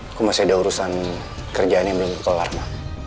aku masih ada urusan kerjaan yang belum kelar mah